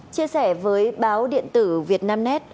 chia sẻ với báo điện tử việt nam net